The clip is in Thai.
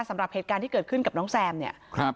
สำหรับเหตุการณ์ที่เกิดขึ้นกับน้องแซมเนี่ยครับ